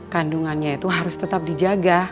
kandungannya itu harus tetap dijaga